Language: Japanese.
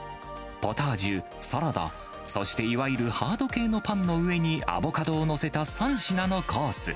ポタージュ、サラダ、そしていわゆるハード系のパンの上に、アボカドを載せた３品のコース。